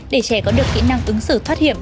để trẻ có được kỹ năng ứng xử thoát hiểm